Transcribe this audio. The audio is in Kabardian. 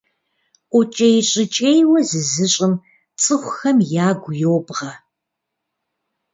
ӀукӀей-щӀыкӀейуэ зызыщӀым цӀыхухэм ягу йобгъэ.